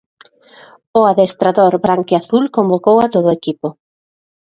O adestrador branquiazul convocou a todo o equipo.